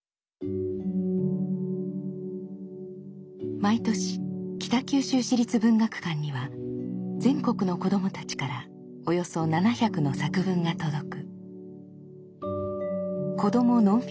毎年北九州市立文学館には全国の子どもたちからおよそ７００の作文が届く。